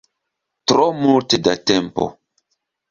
Tro multe da tempo.